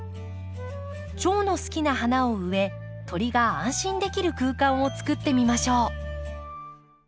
チョウの好きな花を植え鳥が安心できる空間を作ってみましょう。